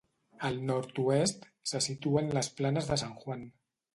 Al nord-oest se situen les planes de San Juan.